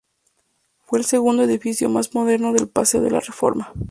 Fue el segundo edificio más moderno del Paseo de la Reforma.